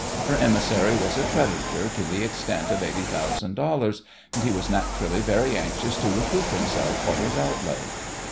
Her emissary was a creditor to the extent of eighty thousand dollars, and he was naturally very anxious to recoup himself for his outlay.